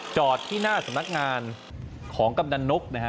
จอดที่หน้าสำนักงานของกำนันนกนะฮะ